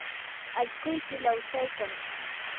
allquyki lawsaykan.